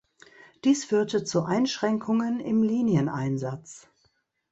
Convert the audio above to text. Dies führte zu Einschränkungen im Linieneinsatz.